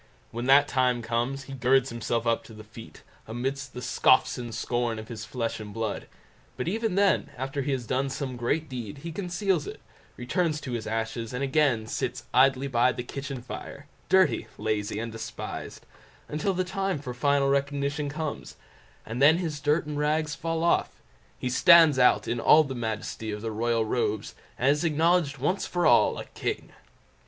When that time comes, he girds himself to the feat, amidst the scoffs and scorn of his flesh and blood; but even then, after he has done some great deed, he conceals it, returns to his ashes, and again sits idly by the kitchen fire, dirty, lazy, and despised, until the time for final recognition comes, and then his dirt and rags fall off—he stands out in all the majesty of his royal robes, and is acknowledged once for all, a king.